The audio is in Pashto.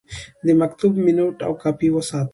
د مکتوب مینوټ او کاپي وساتئ.